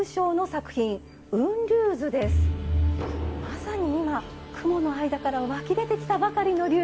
まさに今雲の間から湧き出てきたばかりの龍。